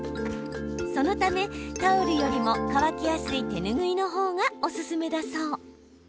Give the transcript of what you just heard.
そのため、タオルよりも乾きやすい手ぬぐいのほうがおすすめだそう。